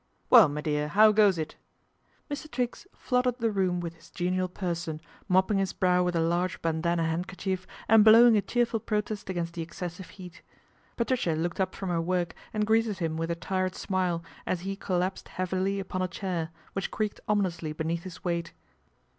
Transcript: WELL, me dear, 'ow goes it ?" Mr. Triggs flooded the room with his genial person, mopping his brow with a large bandana handkerchief, and blowing a cheerful protest against the excessive heat. Patricia looked up from her work and greeted him with a tired smile, as he collapsed heavily upon a chair, which creaked ominously beneath his weight.